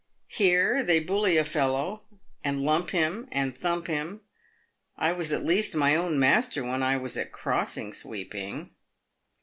" Here they bully a fellow, and lump him, and thump him. I was at least my own master when I was at crossing sweeping."